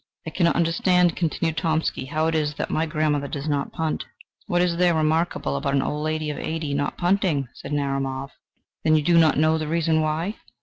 "I cannot understand," continued Tomsky, "how it is that my grandmother does not punt." "What is there remarkable about an old lady of eighty not punting?" said Narumov. "Then you do not know the reason why?"